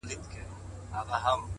په سپينه زنه كي خال ووهي ويده سمه زه؛